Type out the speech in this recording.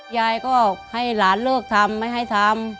ยายก็ให้หลานเลิกทำไม่ให้ทำ